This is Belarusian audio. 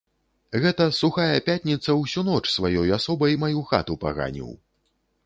Гэта сухая пятніца ўсю ноч сваёй асобай маю хату паганіў.